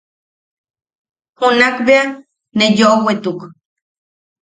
Junakbea ne yoʼowetuk.